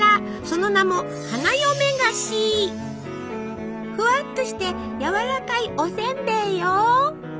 その名もふわっとしてやわらかいおせんべいよ。